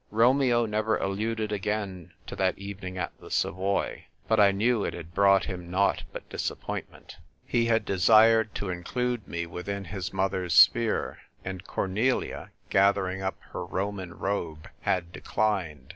Romeo never alluded again to that evening at the Savoy ; but I knew it had brought him nought but disappointment. He had desired AN AUTUMN HOLIDAY. I97 to include me within his mother's sphere, and Cornelia, gathering up her Roman robe, had declined.